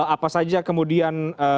apa saja kemudian